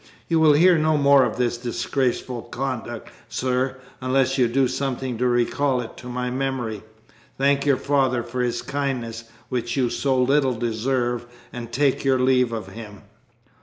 You will hear no more of this disgraceful conduct, sir, unless you do something to recall it to my memory. Thank your father for his kindness, which you so little deserved, and take your leave of him."